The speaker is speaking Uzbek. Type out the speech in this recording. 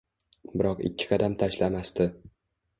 Biroq ikki qadam tashlamasdi